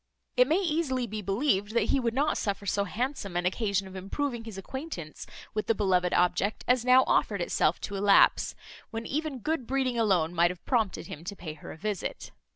It may easily be believed, that he would not suffer so handsome an occasion of improving his acquaintance with the beloved object as now offered itself to elapse, when even good breeding alone might have prompted him to pay her a visit.